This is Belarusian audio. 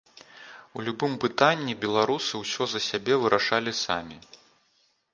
У любым пытанні беларусы ўсё за сябе вырашалі самі.